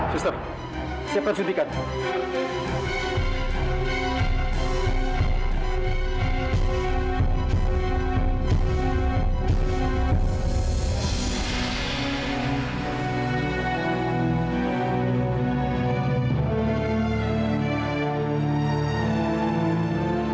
sistem siapkan suntikan